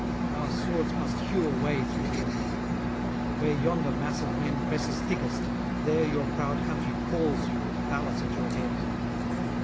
Our swords must hew a way through the enemy. Where yonder mass of men presses thickest, there your proud country calls you with Pallas at your head.